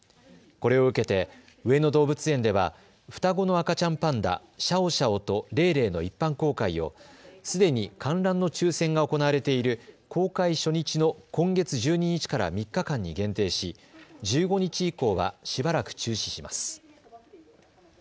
これを受けて上野動物園では双子の赤ちゃんパンダ、シャオシャオとレイレイの一般公開をすでに観覧の抽せんが行われている公開初日の今月１２日から３日間に限定し１５日以降はしばらく中止します。